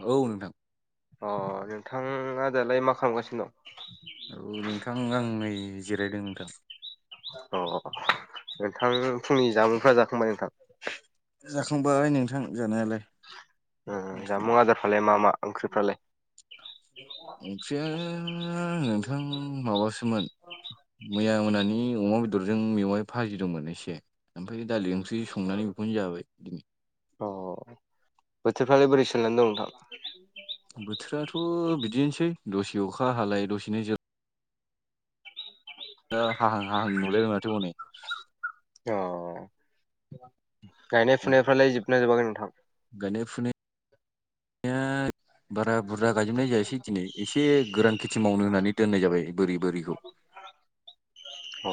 औ नोंथां अ नोंथाङा दालाय मा खालामगासिनो दं? औ नोंथां आं नै जिरायदों नोंथां। अ नोंथां फुंनि जामुंफ्रा जाखांबाय नोंथां? जाखांबाय नोंथां जानायालाय। माथो जामुं बुंनो आदारफ्रालाय मा मा ओंख्रिफ्रालाय? ओंख्रिया नोंथां माबासोमोन मैया मोनानि अमा बेदरजों मेवाय भाजि दंमोन एसे ओमफ्राय दालि ओंख्रि संनानै बेखौनो जाबाय दिनै अ बोथोरफ्रालाय बै सोलायनानै दं नोंथां? बोथोराथ' बिदिनोसै दसे अखा हालाय दसेनो जोब द हाहां हाहां नुलायबाय माथो हनै अ गायनाय फुनायफ्रालाय जोबना जोबागोन नोंथां? गायनाय फुनाय [inaudible] बारा बुरजा गायजोबनाय जायासै दिनै एसे गोरान खेथि मावनो होननानै दोननाय जाबाय बोरि बोरिखौ। औ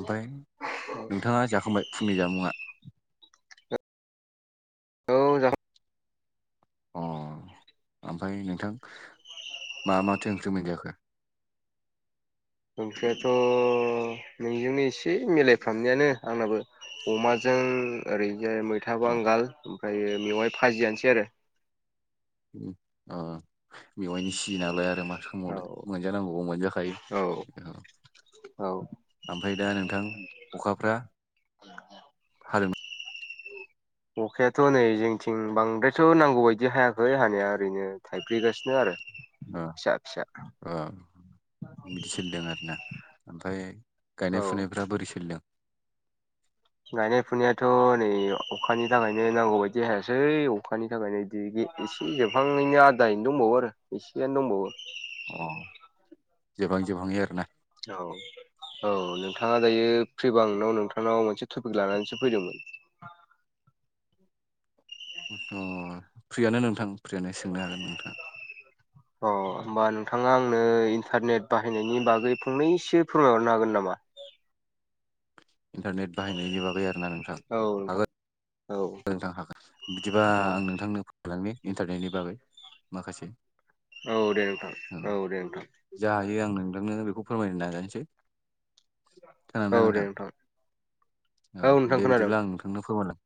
ओमफ्राय नोंथाङा जाखांबाय फुंनि जामुआ? औ जाखां अ ओमफ्राय नोंथां मा माथो ओंख्रि मोनजाखो? ओंख्रियाथ' नोंजोंनो एसे मिलायफ्रामनायानो आंनाबो। अमाजों ओरैजाय मैथा अ बांगाल ओमफ्रायो मेवाय फाजियानोसै आरो। अ मेवाइनि सिजनावलाय आरो मा [unintelligible] औ मोनजानांगौखौ औ मोनजाखायो औ औ ओमफ्राय दा नोंथां अखाफ्रा हादों अखायाथ' नै जोंथिं बांद्रायथ' नांगौ बायदि हायाखै हानाया ओरैनो थाइफ्रिगासिनो आरो। अ फिसा फिसा बिदि सोदों आरोना ओमफ्राय औ गायनाय फुनायफ्रा बोरै सोलिदों? गायनाय फुनायाथ' नै अखानि थाखायनो नांगौ बायदि जायासै अखानि थाखायनो दिगि एसे जोबहांनायनि आदायैनो दंबावो आरो एसेयानो दंबावो। अ जोबहां जोबहाङै आरोना औ औ नोंथाङा दायो फ्रिबा आं नोंथांनाव मोनसे टपिक लानानैसो फैदोंमोन अ फ्रियानो नोंथां फ्रियानो सोंनो हागोन नोंथाङा। अ होमबा नोंथाङा आंनो इन्टारनेट बाहायनायनि बागै फंनैसो फोरमायहरनो हागोन नामा? इन्टारनेट बाहायनायनि बागै आरोना नोंथां? औ नोंथां हागोन औ नोंथां हागोन बिदिबा आं नोंथांनो बुंलांनि इन्टारनेटनि बागै माखासे औ दे नोंथां औ दे नोंथां जा हायो आं नोंथांनो बेखौ फोरमायनो नाजानोसै खोनादों ना औ दे नोंथां औ नोंथां दे खोनादों बिदिब्ला आं नोंथांनो फोरमायलां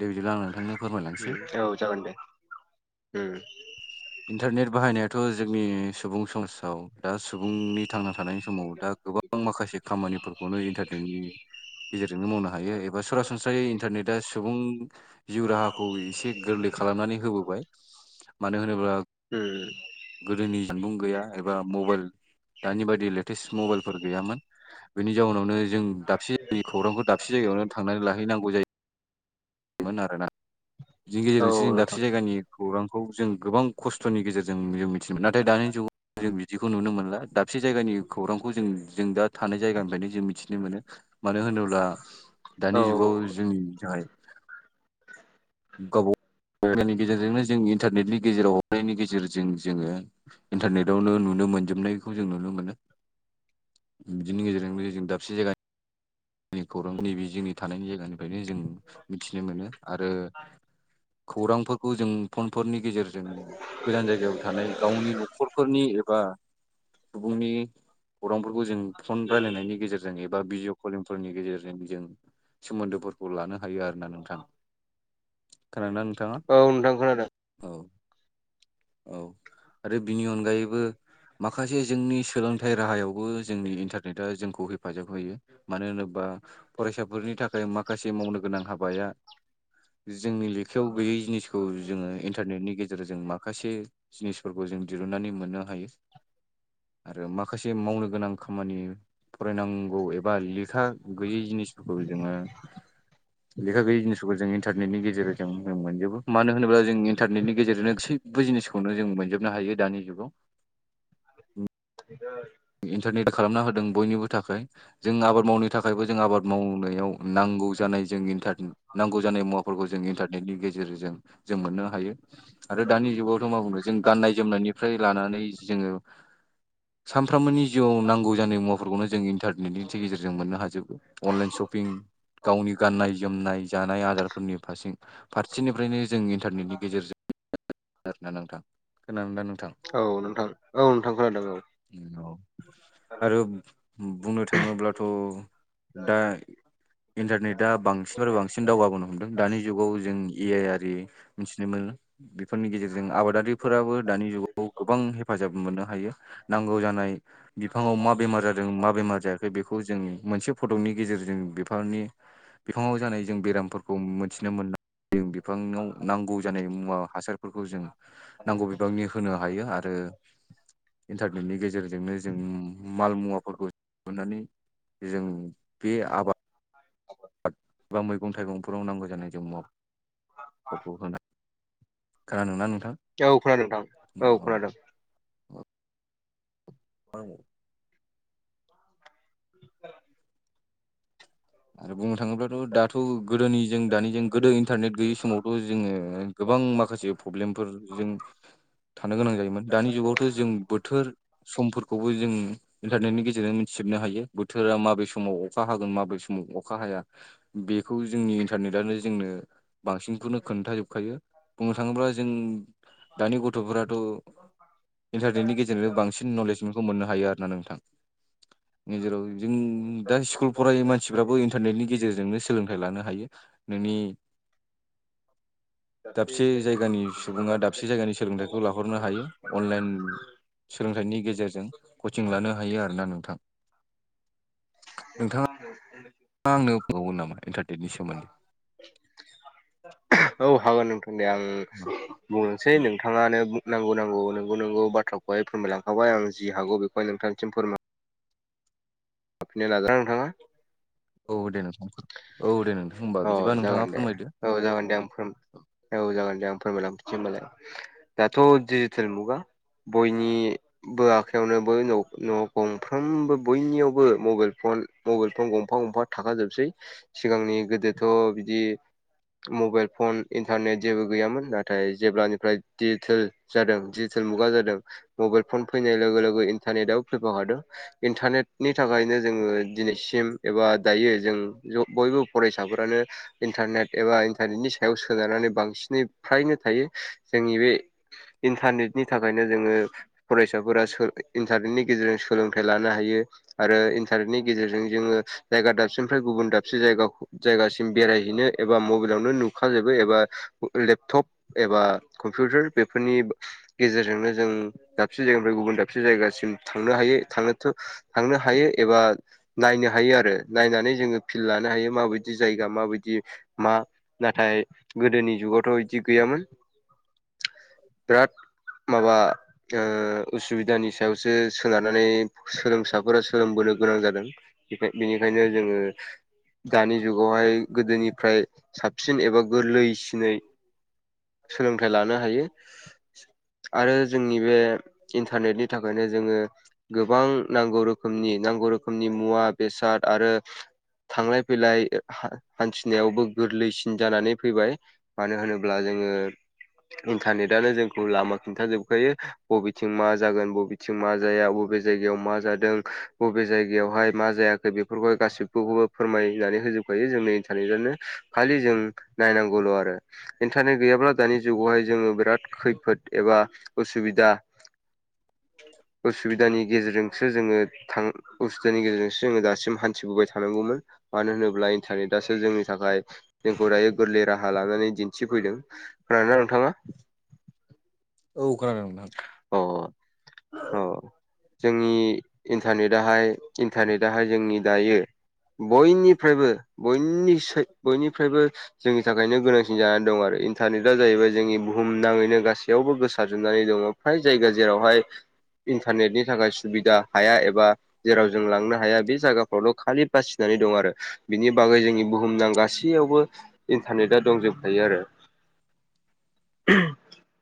दे बिदि आं नोंथांनो फोरमायलांसै औ जागोन दे इन्टारनेट बाहायनायाथ' जोंनि सुबुं समाजाव दा सुबुंनि थांना थानायनि समाव दा गोबां माखासे खामानिफोरखौनो इन्टारनेटनि गेजेरजोंनो मावनो हायो बा सरासनस्रायै इन्टारनेटआ सुबुं जिउ राहाखौ एसे गोरलै खालामनानै होबोबाय मानो होनोबा उम गोदोनि जामबुं गैया एबा मबाइल दानि बायदि लेटेस्ट मबाइलफोर गैयामोन बेनि जाउनावनो जों दाबसे जायगानि खौरांखौ दाबसे जायगायावनो थांनानै लाहैनांगौ जायो आरोना बिनि औ गेजेरजोंसो जों नोंथां दाबसे जायगानि खौरांखौ जों गोबां खस्थ'नि गेजेरजों जों मिथिनो मोन नाथाय दानि जुगाव जों बिदिखौ नुनो मोनला दाबसे जायगानि खौरांखौ जों जों दा थानाय जायगानिफ्रायनो जों मिथिनो मोनो मानो होनोब्ला औ दानि जुगाव जोंनि थाखाय गावबा गाव मबाइलनि गेजेरजोंनो जों इन्टारनेटनि गेजेराव हरनायनि गेजेरजों जोङो इन्टारनेटावनो नुनो मोनजोबनायखौ जों नुनो मोनो बिदिनि गेजेरजोंनो जों दाबसे जायगानि जों खौरां नैबे जोंनि थानायनि जायगानि बेनो जों मिथिनो मोनो आरो खौरांफोरखौ जों फनफोरनि गेजेरजों गोजान जायगायाव थानाय गावनि न'खरफोरनि एबा सुबुंनि खौरांफोरखौ जों फन रायलायनायनि गेजेरजों एबा भिडिअ फन फोरनि गेजेरजों जों सोमोन्दोफोरखौ लानो हायो आरो ना नोंथां खोनादोंना नोंथाङा औ नोंथां खोनादों औ औ आरो बिनि अनगायैबो माखासे जोंनि सोलोंथाइ राहायावबो जोंनि इन्टारनेट आरो जोंखौ हेफाजाब होयो मानो होनोब्ला फरायसाफोरनि थाखाय माखासे मावनो गोनां हाबाया जोंनि आखायाव गैयै जिनिखौ जोङो इन्टारनेटनि गेजेरजों मा माखासे जिनिसफोरखौ जों दिरुनानै मोननो हायो आरो माखासे मावनो गोनां खामानि फरायनांगौ एबा लेखा गैयै जिनिसफोरखौ जोङो लांदां लेखा गैयै जिनिसखौ जों इन्टारनेटनि गेजेरजों मोनजोबो मानो होनोब्ला जों इन्टारनेटनि गेजेरजों बे जिनिसखौनो जों मोनजोबनो हायो दानि जुगाव बि इन्टारनेट खालामना होदों बयनिबो थाखाय जों आबाद मावनो थाखाय थाखायबो जों आबाद मावनायाव नांगौ जानाय जों इन्टारनेट नांगौ जानाय मुवाफोरखौ जों इन्टारनेटनि गेजेरजों जों मोननो हायो आरो दानि जुगावथ' मा बुंनो जों गान्नाय जोमनायनिफ्राय लानानै जोङो सानफ्रामबोनि जिउआव नांगौ जानाय मुवाफोरखौनो जों इन्टार गेजेरजों मोननो हाजोबो अनलाइन शपिं गावनि गाननाय जोमनाय जानाय आदारफोरनि फारसे फारसेनिफ्रायनो जों इन्टारनेटनि गेजेरजों नोंथां खोनादों ना नोंथां औ नोंथां औ नोंथां खोनादों औ आरो बुंनो थाङोब्लाथ' दा इन्टारनेटआ बांसिननिफ्राय बांसिन दावगाबोनो हमदों दानि जुगाव जों ए आइ आरि मिथिनो मोनो बेफोरनि गेजेरजों जों आबादारिफोराबो दानि जुगाव गोबां हेफाजाब मोननो हायो नांगौ जानाय बिफाङाव मा बेमार जादों मा बेमार जायाखै बेखौ जों मोनसे फटकनि गेजेरजों बिफांनि बिफाङाव जानाय जों बेरामफोरखौ मोनथिनो मोन जों बिफांङाव नांगौ जानाय मुवा हासारफोरखौ जों नांगौ बिबांनि होनो हायो आरो इन्टारनेटनि गेजेरजोंनो जों माल मुवाफोरखौ सुहनानै जों बे आबाद बा मैगं थाइगंफोराव नांगौ जानाय जों मुवाखौ [unintelligible] खोनादोंना नोंथां? औ खोनादों नोंथां औ खोनादों औ [inaudible] आरो बुंनो थाङोब्लाथ' दाथ' गोदोनि जों दानिजों गोदो इन्टारनेट गैयै समावथ' जोङो गोबां माखासे प्रब्लेमफोर जों थानो गोनां जायोमोन दानि जुगावथ' जों बोथोर समफोरखौबो जों इन्टारनेटनि गेजेरजों मिथिजोबनो हायो बोथोरा माबे समाव अखा हागोन माबे सम अखा हाया बेखौ जोंनि इन्टारनेटानो जोंनो बांसिनखौनो खोन्थाजोबखायो बुंनो थाङोब्ला जों दानि गथ'फोराथ' इन्टारनेटनि गेजेरजों बांसिन नलेज मोननो हायो आरोना नोंथां गेजेराव बिदिनो दा स्कुल फराययि मानसि सिफ्राबो इन्टारनेटनि गेजेरजोंनो सोलोंथाइ लानो हायो नोंनि [inaudible] दाबसे जायगानि सुबुङा दाबसे जायगानि सोलोंथाइखौ लाहरनो हायो अनलाइन सोलोंथाइनि गेजेरजों कचिं लानो हायो आरोना नोंथां नोंथाङा [unintelligible] [unintelligible] नामा इन्टारटेननि सोमोन्दै औ हागोन नोंथां दे आं बुंनोसै नोंथाङानो नांगौ नांगौ नोंगौ नंगौ बाथ्राखौहाय फोरमायलांखाबाय आं जि हागौ बेखौ नोंथांसिम फोरमाय [unintelligible] नाजा नोंथाङा औ दे नोंथां औ दे नोंथां होनबा अ बिदिबा जागोन नोंथाङा दे फोरमायदो औ जागोन दे आं फोर औ जागोन दे आं फोरमायलांफिनोसै होनबालाय दाथ' जि सोलोंथाय मुगा बयनिबो आखायावनोबो न न गंफ्रोमबो बयनियावबो बो मबाइल फन मबाइल फन गंफा गंफा थाखाजोबसै सिगांनि गोदोथ' बिदि मबाइल फन इन्टारनेट जेबो गैयामोन नाथाय जेब्लानिफ्राय डिजिटेल जादों डिजिटेल मुगा जादों मबाइल फन फैनाय लोगो लोगो इन्टारनेटआव फैफाखाढों इन्टारनेटनि थाखायनो जोङो दिनैसिम एबा दायो जों बयबो फरायसाफोरानो इन्टारनेट एबा इन्टारनेटनि सायाव सोनारनानै बांसिनै फ्रायनो थायो। जोंनि बे इन्टारनेटनि थाखायनो जोङो फरायसाफोरा इन्टारनेटनि गेजेरजों सोलोंथाइ लानो हायो आरो इन्टारनेटनि गेजेरजों जोङो जायगा दाबसेनिफ्राय गुबुन दाबसे जायगाखौ जायगासिम बेरायहैनो एबा मबाइलावनो नुखाजोबो एबा लेपटप एबा कम्पिउटार बेफोरनि गेजेरजोंनो जों दाबसे जायगानिफ्राय गुबुन दाबसे जायगासिम थांनो हायो थांनोथ' थांनो हायो एबा नायनो हायो आरो नायनानै जोङो फिल लानो हायो माबायदि जायगा माबायदि मा नाथाय गोदोनि जुगावथ' बिदि गैयामोन बिराद माबा ओ उसुबिदानि सायावसो सोनारनानै सोलोंसा फोर सोलोंबोनो गोनां जादों बेनिखायनो जोङो दानि जुगावहाय गोदोनिफ्राय साबसिन एबा गोरलैसिनै सोलोंथाइ लानो हायो। आरो जोंनि बे इन्टारनेटनि थाखायनो जोङो गोबां नांगौ रो मनि नांगौ रोखोमनि मुवा बेसाद आरो थांलाय फैलाय हा हान्थिनायावबो गोरलैसिन जानानै फैबाय मानो होनोब्ला जोङो इन्टारनेटनो जोंखौ लामा खिन्थाजोबखायो बबेथिं मा जागोन बबे थिं मा जाया बबे जायगायाव मा जादों बबे जायगायावहाय मा जायाखै बेफोरखौहाय गासैखौबो फोरमायनानै होजोबखायो जोंनि इन्टरनेटानो खालि जों नायनांगौल' आरो इन्टारनेट गैयाब्ला दानि जुगावहाय जोङो बिराद खैफोद एबा उसुबिदा उसुबिदानि गेजेरजोंसो जोङो थां उसुबिदानि गेजेरजोंसो जोङो दासिम हान्थिबोबाय थानांगौमोन मानो होनोब्ला इन्टारनेटसो जोंनि थाखाय जोंखौ दायो गोरलै राहा लानानै दिन्थिफैदों खोनादोंना नोंथाङा औ खोनादों नोंथां अ अ जोंनि इन्टारनेटहाय इन्टारनेटाहाय जोंनि दायो बयनिफ्रायबो बयनिसाय बयनिफ्रायबो जोंनि थाखायनो गोनांसिन जानानै दं आरो इन्टारनेटआ जाहैबाय जोंनि बुहुम नाङैनो गासैयावबो गोसारजोबनानै दङ। फ्राय जायगा जेरावहाय इन्टारनेटनि थाखाय सुबिदा हाया एबा जेराव जों लांनो हाया बे जायगाफ्रावल' खालि बासिनानै दं आरो बिनि बागै जोंनि बुहुम नांगासि यावबो इन्टारनेटआ दंजोबखायो आरो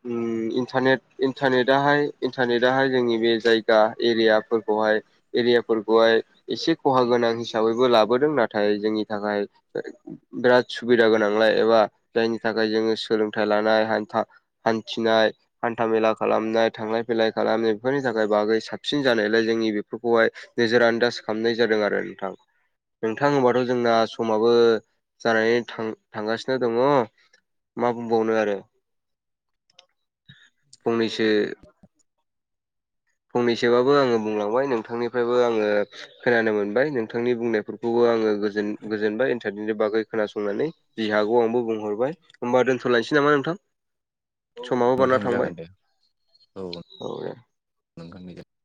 उम इन्टारनेट इन्टारनेटाहाय इन्टारनेटाहाय जोंनि बे जायगा एरियाफोर खौहाय एरिया एरियाफोरखौहाय एसे खहा गोनां हिसाबैबो लाबोदों नाथाय जोंनि थाखाय बिराद सुबिदा गोनांलाय एबा जायनि थाखाय जोङो सोलोंथाइ लानाय हान्था हान्थिनाय हान्था मेला खालामनाय थांलाय फैलाय खालामनाय बेफोरनि थाखाय बागै साबसिन जानायलाय जोंनि बेफोरखौहाय नोजोर आन्दाज खालामनाय जादों आरो नोंथां नोंथां होमबाथ' जोंना समाबो जानानै थां थांगासिनो दङ। मा बुंबावनो आरो फंनैसो फंनैसोबाबो आङो बुंलांबाय नोंथांनिफ्रायबो आङो खोनानो मोनबा नों नोंथांनि बुंनायफोरखौबो आङो गोजोन गोजोनबाय इन्टारनेटनि बागै खोनासंनानै जि हागौ आंबो बुंहरबाय ओमबा दोनथ'लायनोसै नामा नोंथां समाबो बारा नोंथां थांबाय जागोन दे औ दे नोंखांनि [unintelligible]